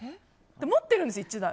持ってるんです、１台。